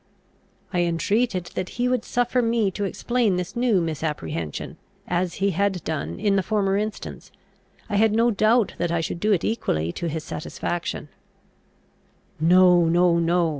I entreated that he would suffer me to explain this new misapprehension, as he had done in the former instance. I had no doubt that I should do it equally to his satisfaction. No! no! no!